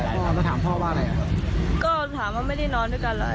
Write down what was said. เขาแยกกันมาแล้วเขาคิดว่าแม่เข้าบ้าน